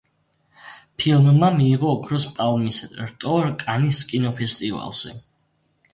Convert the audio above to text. ფილმმა მიიღო ოქროს პალმის რტო კანის კინოფესტივალზე.